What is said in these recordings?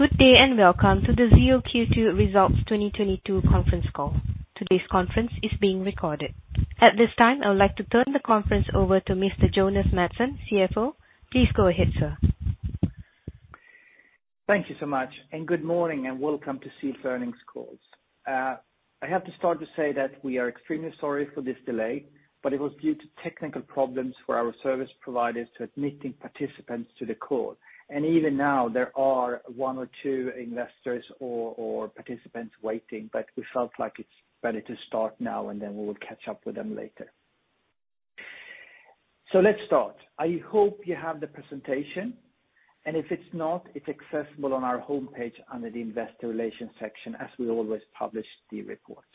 Good day and welcome to the ZEAL Q2 results 2022 conference call. Today's conference is being recorded. At this time, I would like to turn the conference over to Mr. Jonas Mattsson, CFO. Please go ahead, sir. Thank you so much, and good morning and welcome to ZEAL earnings calls. I have to start to say that we are extremely sorry for this delay, but it was due to technical problems with our service providers admitting participants to the call. Even now there are one or two investors or participants waiting, but we felt like it's better to start now, and then we would catch up with them later. Let's start. I hope you have the presentation, and if it's not, it's accessible on our homepage under the investor relations section, as we always publish the reports.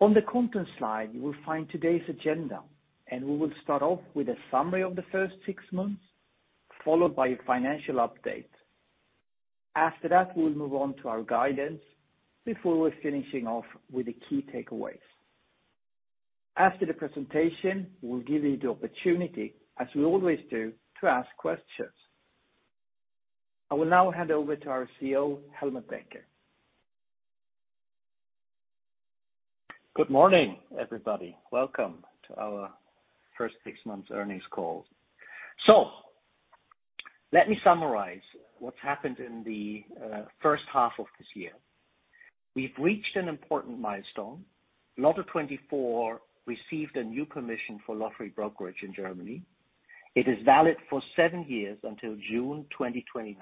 On the content slide, you will find today's agenda, and we will start off with a summary of the first six months, followed by a financial update. After that, we'll move on to our guidance before we're finishing off with the key takeaways. After the presentation, we'll give you the opportunity, as we always do, to ask questions. I will now hand over to our CEO, Helmut Becker. Good morning, everybody. Welcome to our first six months earnings call. Let me summarize what's happened in the first half of this year. We've reached an important milestone. LOTTO24 received a new permission for lottery brokerage in Germany. It is valid for seven years until June 2029,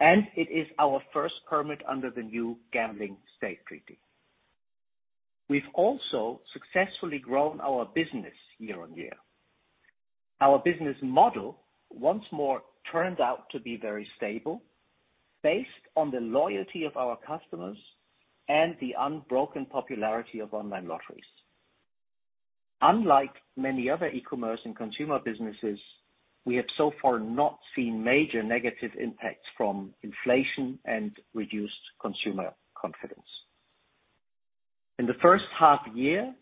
and it is our first permit under the new gambling state treaty. We've also successfully grown our business year-on-year. Our business model once more turned out to be very stable based on the loyalty of our customers and the unbroken popularity of online lotteries. Unlike many other e-commerce and consumer businesses, we have so far not seen major negative impacts from inflation and reduced consumer confidence. In the first half year,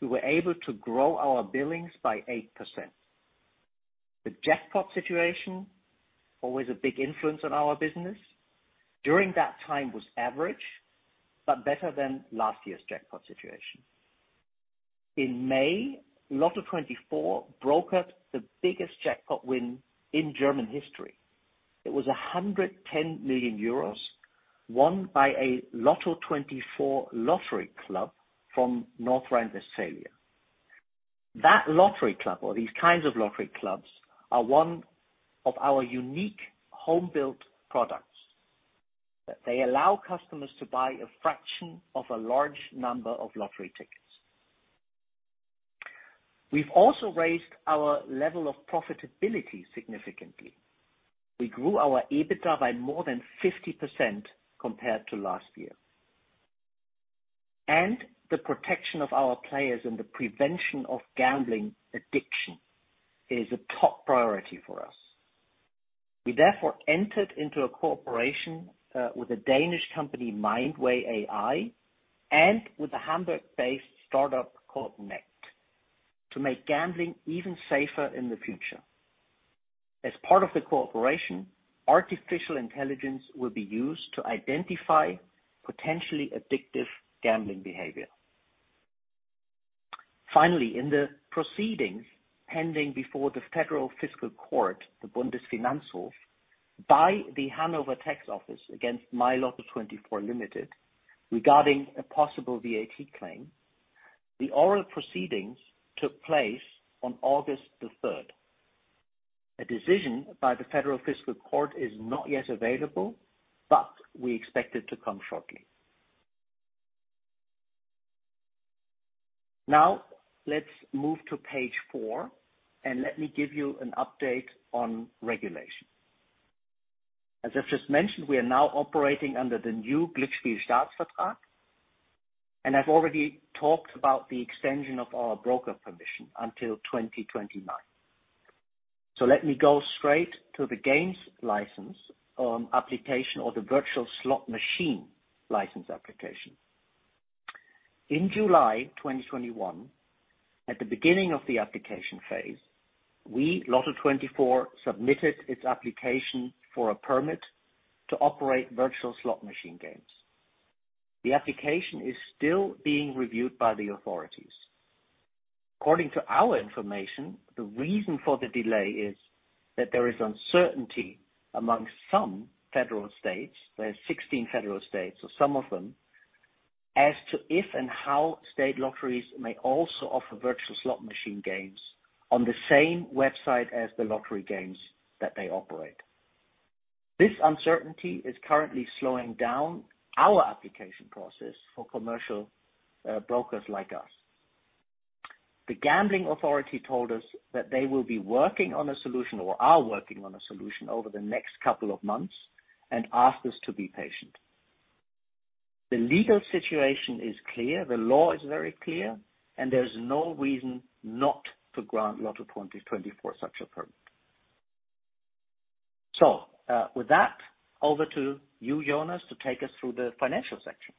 we were able to grow our billings by 8%. The jackpot situation, always a big influence on our business, during that time was average, but better than last year's jackpot situation. In May, LOTTO24 broke up the biggest jackpot win in German history. It was 110 million euros won by a LOTTO24 lottery club from North Rhine-Westphalia. That lottery club or these kinds of lottery clubs are one of our unique home-built products, that they allow customers to buy a fraction of a large number of lottery tickets. We've also raised our level of profitability significantly. We grew our EBITDA by more than 50% compared to last year. The protection of our players and the prevention of gambling addiction is a top priority for us. We therefore entered into a cooperation with a Danish company, Mindway AI, and with a Hamburg-based startup called Nect, to make gambling even safer in the future. As part of the cooperation, artificial intelligence will be used to identify potentially addictive gambling behavior. In the proceedings pending before the Federal Fiscal Court, the Bundesfinanzhof, by the Hanover tax office against myLotto24 Limited, regarding a possible VAT claim, the oral proceedings took place on August the third. A decision by the Federal Fiscal Court is not yet available, but we expect it to come shortly. Now, let's move to page four and let me give you an update on regulation. As I've just mentioned, we are now operating under the new Glücksspielstaatsvertrag, and I've already talked about the extension of our broker permission until 2029. Let me go straight to the gains license, application or the virtual slot machine license application. In July 2021, at the beginning of the application phase, we, LOTTO24, submitted its application for a permit to operate virtual slot machine games. The application is still being reviewed by the authorities. According to our information, the reason for the delay is that there is uncertainty among some federal states. There are 16 federal states, so some of them, as to if and how state lotteries may also offer virtual slot machine games on the same website as the lottery games that they operate. This uncertainty is currently slowing down our application process for commercial brokers like us. The gambling authority told us that they will be working on a solution or are working on a solution over the next couple of months and asked us to be patient. The legal situation is clear, the law is very clear, and there's no reason not to grant LOTTO24 such a permit. With that, over to you, Jonas, to take us through the financial section.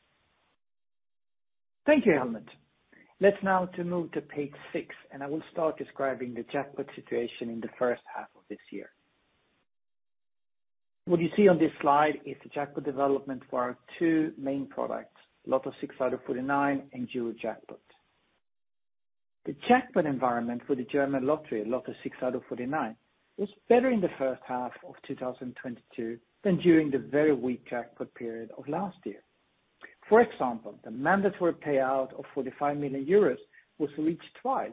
Thank you, Helmut. Let's now move to page six, and I will start describing the jackpot situation in the first half of this year. What you see on this slide is the jackpot development for our two main LOTTO 6aus49 and Eurojackpot. The jackpot environment for the German LOTTO 6aus49, was better in the first half of 2022 than during the very weak jackpot period of last year. For example, the mandatory payout of 45 million euros was reached twice,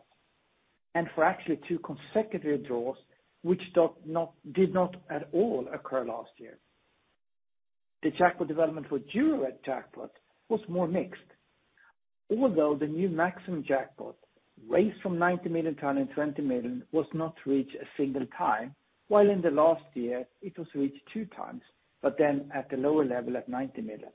and actually for two consecutive draws, which did not at all occur last year. The jackpot development for Eurojackpot was more mixed. Although the new maximum jackpot raised from 90 million-120 million was not reached a single time, while in the last year it was reached 2x, but then at the lower level of 90 million.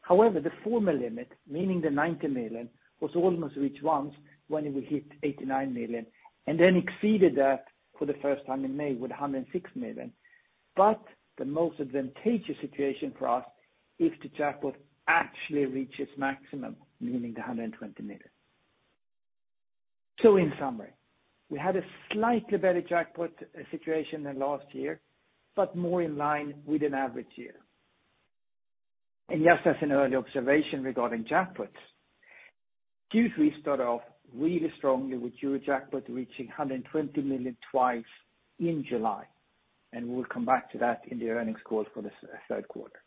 However, the former limit, meaning the 90 million, was almost reached once when it hit 89 million and then exceeded that for the first time in May with 106 million. The most advantageous situation for us, if the jackpot actually reaches maximum, meaning the 120 million. In summary, we had a slightly better jackpot situation than last year, but more in line with an average year. Just as an early observation regarding jackpots, Q3 started off really strongly with Eurojackpot reaching 120 million twice in July, and we'll come back to that in the earnings call for the third quarter.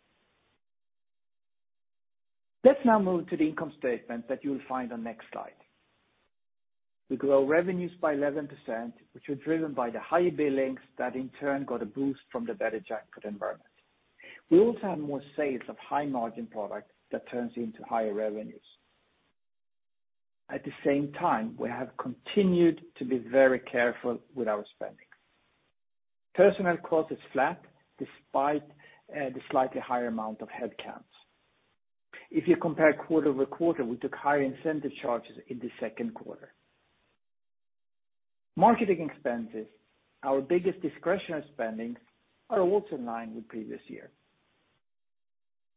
Let's now move to the income statement that you'll find on the next slide. We grow revenues by 11%, which were driven by the high billings that in turn got a boost from the better jackpot environment. We also have more sales of high-margin products that turns into higher revenues. At the same time, we have continued to be very careful with our spending. Personnel cost is flat despite the slightly higher amount of headcounts. If you compare quarter-over-quarter, we took higher incentive charges in the second quarter. Marketing expenses, our biggest discretionary spending, are also in line with previous year.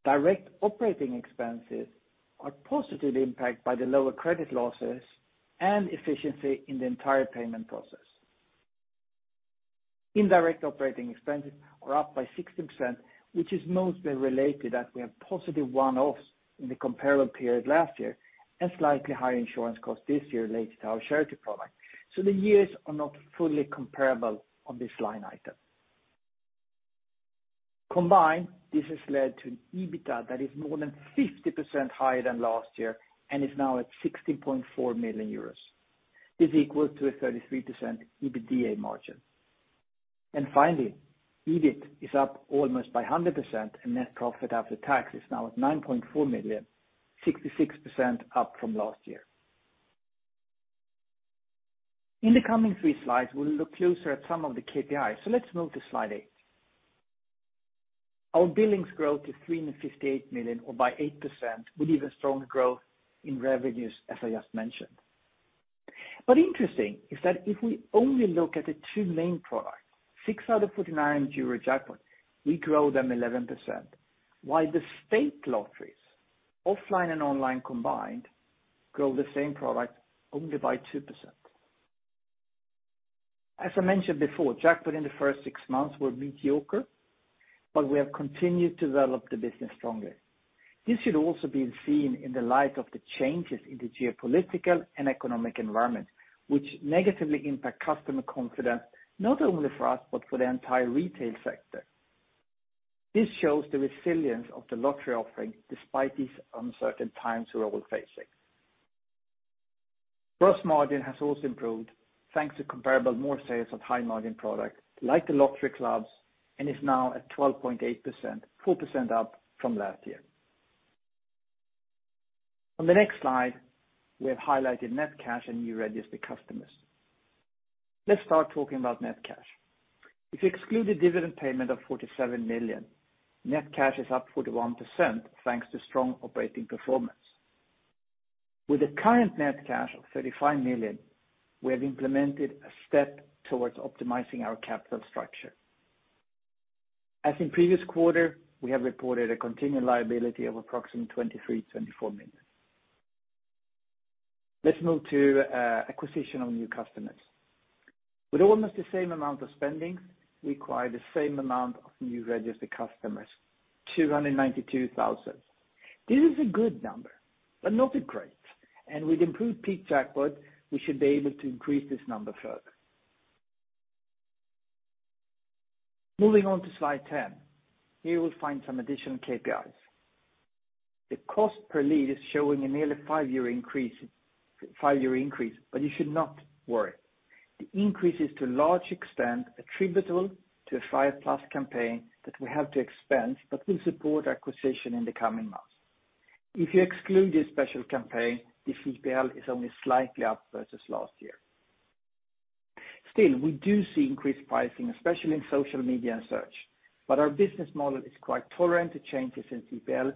Direct operating expenses are positively impacted by the lower credit losses and efficiency in the entire payment process. Indirect operating expenses are up by 60%, which is mostly related that we have positive one-offs in the comparable period last year and slightly higher insurance costs this year related to our charity product. The years are not fully comparable on this line item. Combined, this has led to an EBITDA that is more than 50% higher than last year and is now at 60.4 million euros, is equal to a 33% EBITDA margin. Finally, EBIT is up almost by 100%, and net profit after tax is now at 9.4 million, 66% up from last year. In the coming three slides, we'll look closer at some of the KPIs. Let's move to slide eight. Our billings grow to 358 million or by 8%, with even stronger growth in revenues as I just mentioned. Interesting is that if we only look at the two main products, 6aus49 and Eurojackpot, we grow them 11%, while the state lotteries, offline and online combined, grow the same product only by 2%. As I mentioned before, jackpots in the first six months were mediocre, but we have continued to develop the business stronger. This should also been seen in the light of the changes in the geopolitical and economic environment, which negatively impact customer confidence, not only for us, but for the entire retail sector. This shows the resilience of the lottery offering despite these uncertain times we are all facing. Gross margin has also improved thanks to comparable more sales of high-margin products like the lottery clubs, and is now at 12.8%, 4% up from last year. On the next slide, we have highlighted net cash and new registered customers. Let's start talking about net cash. If you exclude the dividend payment of 47 million, net cash is up 41% thanks to strong operating performance. With the current net cash of 35 million, we have implemented a step towards optimizing our capital structure. As in previous quarter, we have reported a continued liability of approximately 23 million-24 million. Let's move to acquisition of new customers. With almost the same amount of spending, we acquire the same amount of new registered customers, 292,000. This is a good number, but not great, and with improved peak jackpot, we should be able to increase this number further. Moving on to slide 10. Here we'll find some additional KPIs. The cost per lead is showing a nearly five-year increase, but you should not worry. The increase is to a large extent attributable to a 5+ campaign that we have to expense but will support acquisition in the coming months. If you exclude this special campaign, the CPL is only slightly up versus last year. Still, we do see increased pricing, especially in social media and search, but our business model is quite tolerant to changes in CPL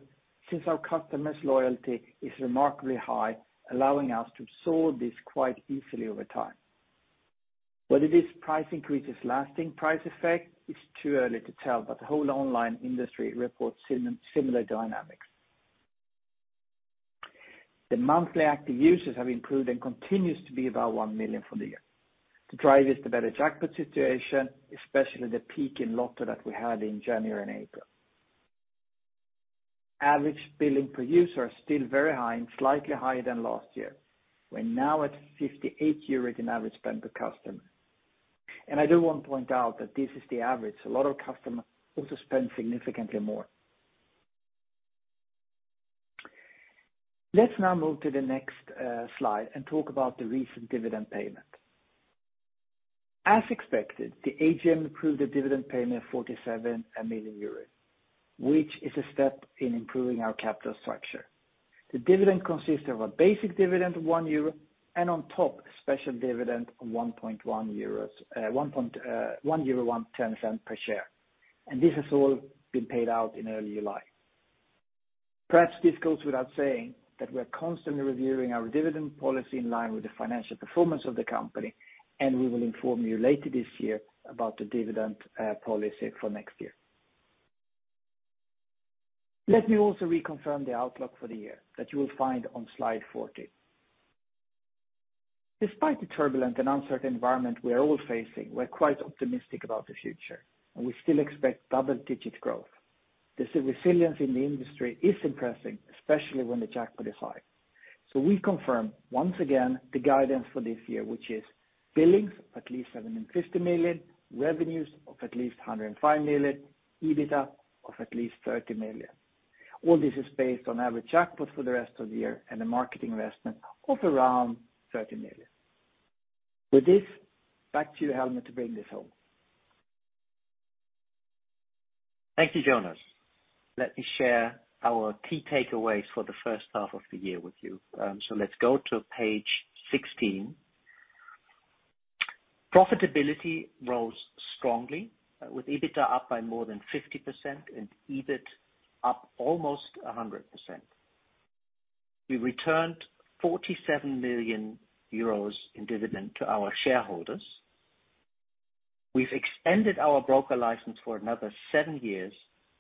since our customers' loyalty is remarkably high, allowing us to absorb this quite easily over time. Whether this price increase is lasting price effect, it's too early to tell, but the whole online industry reports similar dynamics. The monthly active users have improved and continues to be about 1 million for the year. The driver is the better jackpot situation, especially the peak in lotto that we had in January and April. Average billing per user are still very high and slightly higher than last year. We're now at 58 euros in average spend per customer. I do want to point out that this is the average. A lot of customers also spend significantly more. Let's now move to the next slide and talk about the recent dividend payment. As expected, the AGM approved a dividend payment of 47 million euros, which is a step in improving our capital structure. The dividend consists of a basic dividend of 1 euro and on top, a special dividend of 1.10 euros per share. This has all been paid out in early July. Perhaps this goes without saying that we're constantly reviewing our dividend policy in line with the financial performance of the company, and we will inform you later this year about the dividend policy for next year. Let me also reconfirm the outlook for the year that you will find on slide 14. Despite the turbulent and uncertain environment we are all facing, we're quite optimistic about the future, and we still expect double-digit growth. The sector's resilience in the industry is impressive, especially when the jackpot is high. We confirm once again the guidance for this year, which is billings of at least 75 million, revenues of at least 105 million, EBITDA of at least 30 million. All this is based on average jackpot for the rest of the year and a marketing investment of around 30 million. With this, back to you, Helmut, to bring this home. Thank you, Jonas. Let me share our key takeaways for the first half of the year with you. Let's go to page 16. Profitability rose strongly with EBITDA up by more than 50% and EBIT up almost 100%. We returned 47 million euros in dividend to our shareholders. We've extended our broker license for another seven years,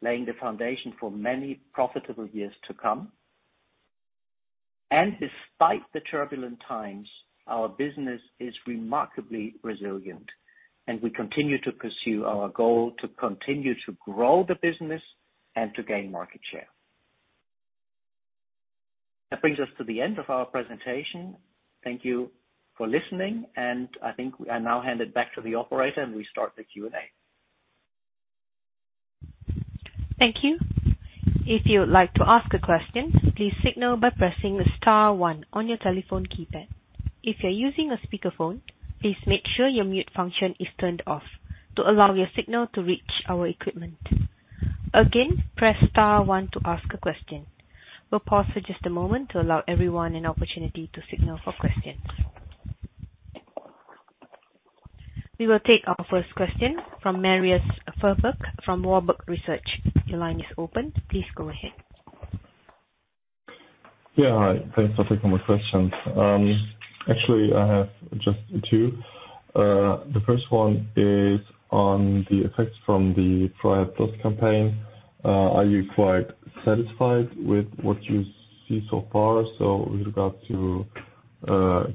laying the foundation for many profitable years to come. Despite the turbulent times, our business is remarkably resilient, and we continue to pursue our goal to continue to grow the business and to gain market share. That brings us to the end of our presentation. Thank you for listening, and I think I now hand it back to the operator, and we start the Q&A. Thank you. If you would like to ask a question, please signal by pressing star one on your telephone keypad. If you're using a speakerphone, please make sure your mute function is turned off to allow your signal to reach our equipment. Again, press star one to ask a question. We'll pause for just a moment to allow everyone an opportunity to signal for questions. We will take our first question from Marius Fuhrberg from Warburg Research. Your line is open. Please go ahead. Yeah, hi. Thanks for taking my questions. Actually, I have just two. The first one is on the effects from the freiheit+ campaign. Are you quite satisfied with what you see so far? With regards to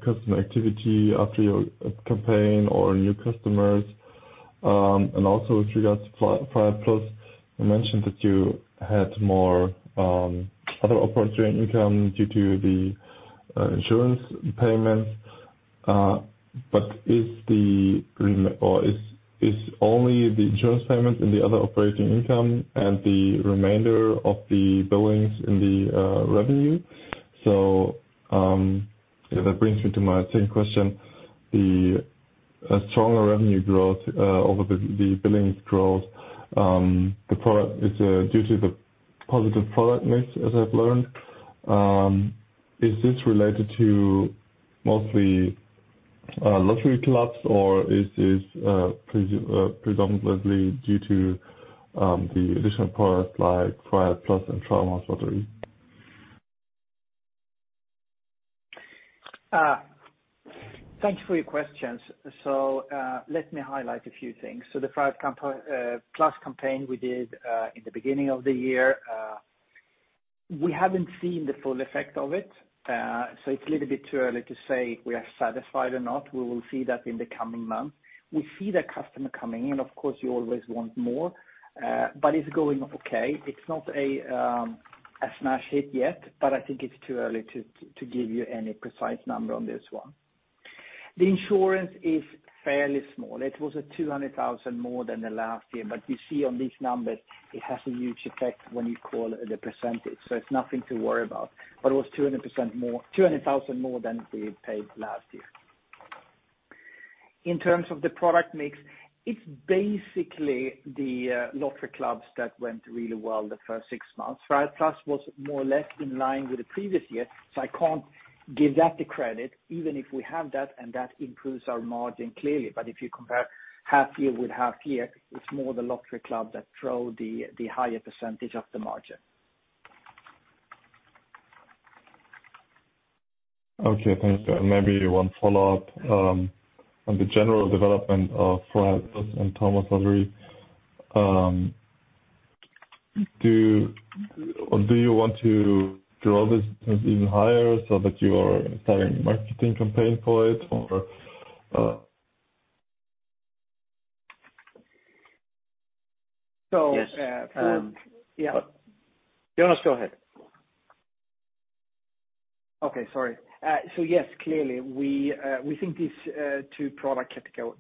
customer activity after your campaign or new customers, and also with regards to freiheit+, you mentioned that you had more other operating income due to the insurance payments. But is only the insurance payment in the other operating income and the remainder of the billings in the revenue? That brings me to my second question. The stronger revenue growth over the billings growth is due to the positive product mix, as I've learned. Is this related to mostly lottery clubs, or is this predominantly due to the additional products like freiheit+ and Traumhausverlosung? Thank you for your questions. Let me highlight a few things. The freiheit+ campaign we did in the beginning of the year, we haven't seen the full effect of it. It's a little bit too early to say we are satisfied or not. We will see that in the coming month. We see the customer coming in. Of course, you always want more, but it's going okay. It's not a smash hit yet, but I think it's too early to give you any precise number on this one. The increase is fairly small. It was 200,000 more than last year, but we see on these numbers it has a huge effect when you calculate the percentage, so it's nothing to worry about. It was 200% more, 200,000 more than we paid last year. In terms of the product mix, it's basically the lottery clubs that went really well the first six months. Freiheit+ was more or less in line with the previous year, so I can't give that the credit even if we have that, and that improves our margin clearly. If you compare half year with half year, it's more the lottery club that drove the higher percentage of the margin. Okay, thanks. Maybe one follow-up on the general development of freiheit+ and Traumhausverlosung. Do you want to drive this even higher so that you are starting marketing campaign for it? Jonas, go ahead. Yes, clearly, we think these two product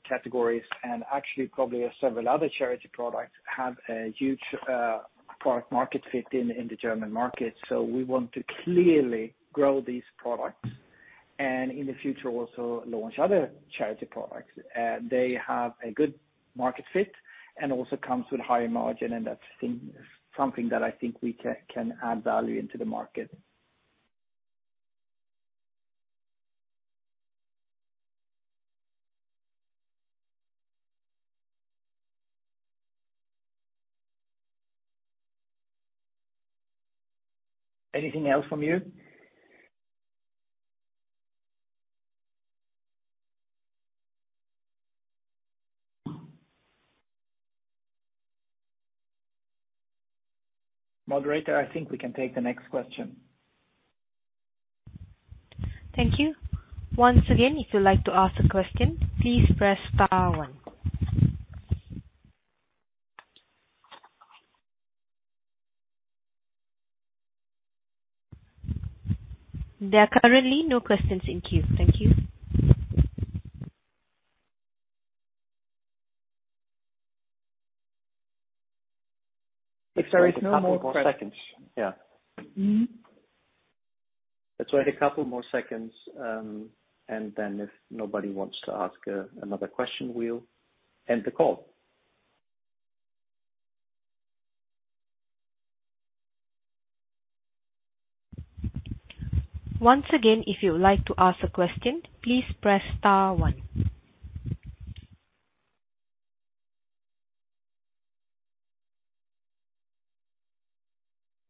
categories and actually probably several other charity products have a huge product market fit in the German market. We want to clearly grow these products and in the future also launch other charity products. They have a good market fit and also comes with higher margin, and that's something that I think we can add value into the market. Anything else from you? Moderator, I think we can take the next question. Thank you. Once again, if you'd like to ask a question, please press star one. There are currently no questions in queue. Thank you. Let's wait a couple more seconds. Yeah. Mm-hmm. Let's wait a couple more seconds, and then if nobody wants to ask another question, we'll end the call. Once again, if you would like to ask a question, please press star one.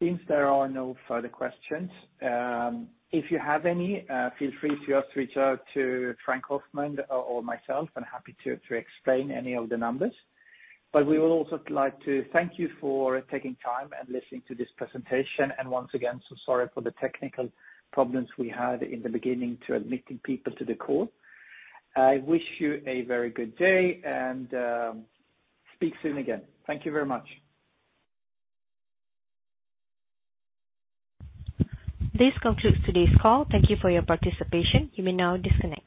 Since there are no further questions, if you have any, feel free to just reach out to Frank Hoffmann or myself. I'm happy to explain any of the numbers. We would also like to thank you for taking time and listening to this presentation. Once again, so sorry for the technical problems we had in the beginning to admitting people to the call. I wish you a very good day and, speak soon again. Thank you very much. This concludes today's call. Thank you for your participation. You may now disconnect.